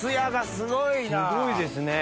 すごいですね。